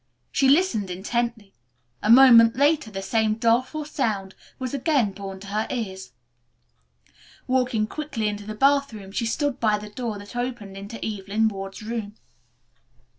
She listened intently. A moment later the same doleful sound was again borne to her ears. Walking quickly into the bathroom she stood by the door that opened into Evelyn Ward's room.